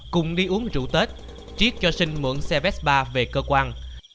cùng đi uống rượu tết triết cho sinh mượn xe vespa về cơ quan